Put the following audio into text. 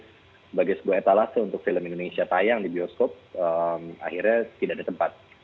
sebagai sebuah etalase untuk film indonesia tayang di bioskop akhirnya tidak ada tempat